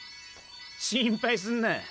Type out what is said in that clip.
心配すんな。